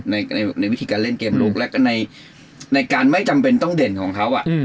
ในวิธีการเล่นเกมลุกแล้วก็ในการไม่จำเป็นต้องเด่นของเขา